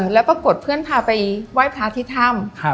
แล้วปรากฎเพื่อนพาไปไหว้พระธิธรรม